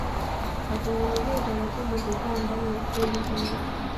Watengenezee utaratibu wa kukaa ndani ya stendi hii